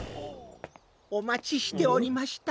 おまちしておりました。